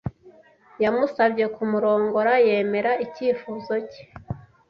Yamusabye kumurongora yemera icyifuzo cye.